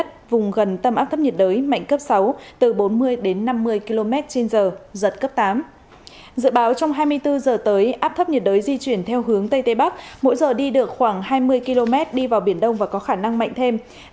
trên bốn mươi tám giờ tiếp theo áp thâm nhiệt đới di chuyển theo hướng tây tây bắc mỗi giờ đi được từ một mươi năm đến hai mươi km và có khả năng mạnh lên thành bão